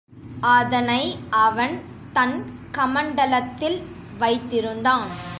அதனை அவன் தன் கமண்டலத்தில் வைத்திருந்தான்.